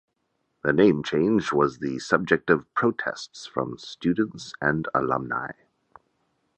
The name change was the subject of protests from students and alumni.